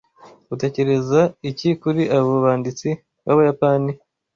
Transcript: Utekereza iki kuri abo banditsi b'Abayapani?